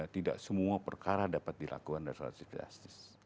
tidak semua perkara dapat dilakukan dari salah satu sisi